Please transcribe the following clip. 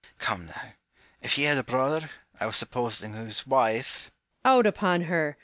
Come now, if you had a brother, I was supposing, •whose wife Home. Out upon her